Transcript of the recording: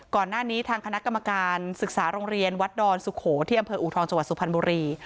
ก่อนหน้านี้ทางคณะกรรมการศึกษาโรงเรียนวัดดอนสุโขที่อำเภออูทองจังหวัดสุพรรณบุรี